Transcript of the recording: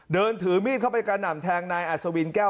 เดินถือมีดเข้าไปกระหน่ำแทงนายอัศวินแก้ว